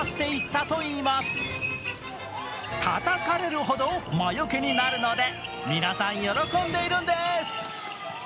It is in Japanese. たたかれるほど魔よけになるので、皆さん喜んでいるんです。